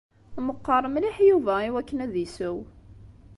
Meqqeṛ mliḥ Yuba i wakken ad isew.